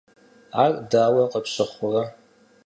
Ар дауэ къыпщыхъурэ?